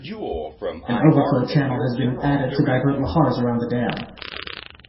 An overflow channel has been added to divert lahars around the dam.